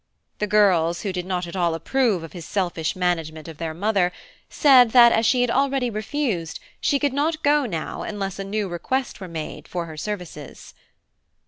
The girls, who did not at all approve of his selfish management of their mother, said that as she had already refused, she could not go now unless a new request were made for her services.